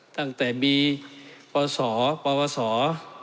ตั้งแต่มีประวัติศาสตร์ประวัติศาสตร์